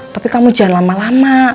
tapi kamu jangan lama lama